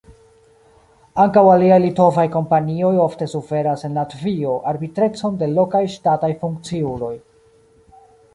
Ankaŭ aliaj litovaj kompanioj ofte suferas en Latvio arbitrecon de lokaj ŝtataj funkciuloj.